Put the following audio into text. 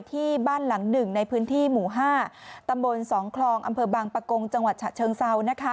ที่บ้านหลังหนึ่งในพื้นที่หมู่๕ตำบล๒คลองอำเภอบางปะกงจังหวัดฉะเชิงเซา